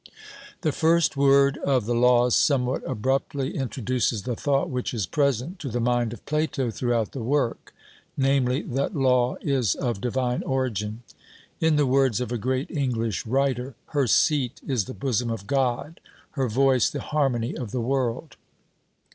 The first word of the Laws somewhat abruptly introduces the thought which is present to the mind of Plato throughout the work, namely, that Law is of divine origin. In the words of a great English writer 'Her seat is the bosom of God, her voice the harmony of the world.'